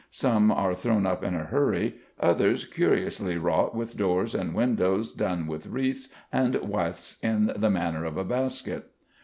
Some are thrown up in a hurry, others curiously wrought with doors and windows done with wreaths and withes in the manner of a basket".